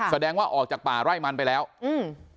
แสดงว่าออกจากป่าไร่มันไปแล้วอืม